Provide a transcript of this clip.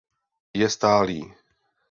Je stálý.